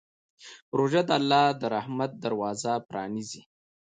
روژه د الله د رحمت دروازه پرانیزي.